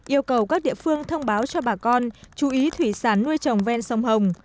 yêu cầu các địa phương thông báo cho bà con chú ý thủy sản nuôi trồng ven sông hồng